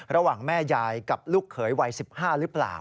ระหว่างแม่ยายกับลูกเขยวัย๑๕หรือเปล่า